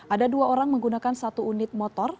ada dua orang menggunakan satu unit motor